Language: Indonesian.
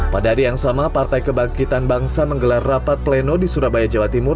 pada hari yang sama partai kebangkitan bangsa menggelar rapat pleno di surabaya jawa timur